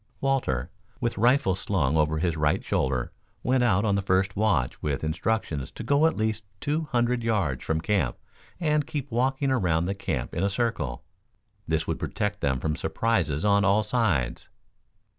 Walter, with rifle slung over his right shoulder, went out on the first watch with instructions to go at least two hundred yards from camp and keep walking around the camp in a circle. This would protect them from surprises on all sides.